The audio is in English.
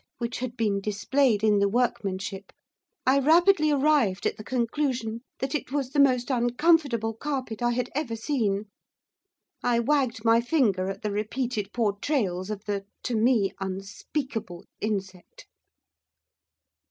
which had been displayed in the workmanship, I rapidly arrived at the conclusion that it was the most uncomfortable carpet I had ever seen. I wagged my finger at the repeated portrayals of the to me! unspeakable insect.